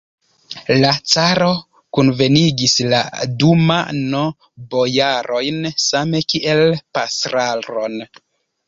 La caro kunvenigis la Duma'n: bojarojn same kiel pastraron.